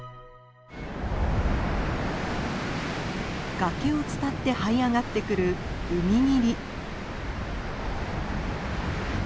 崖を伝ってはい上がってくる海霧。